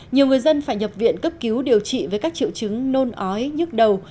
nhiều người dân phải nhập viện cấp cứu điều trị với các triệu chứng nôn ói nhức đầu